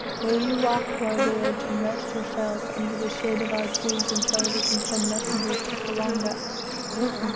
Will you walk to our village, and rest yourselves under the shade of our trees until we can send messengers to Kawanga?"